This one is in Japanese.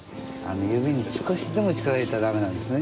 指に少しでも力を入れたら駄目なんですね。